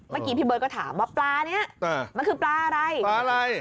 เมื่อกี้พี่เบิร์ตก็ถามว่าปลานี้มันคือปลาอะไรปลาอะไร